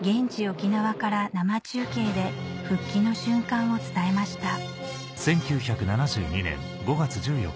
沖縄から生中継で復帰の瞬間を伝えました